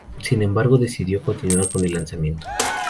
Sin embargo, decidió continuar con el alzamiento.